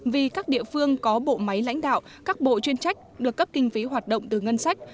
vì các địa phương có bộ máy lãnh đạo các bộ chuyên trách được cấp kinh phí hoạt động từ ngân sách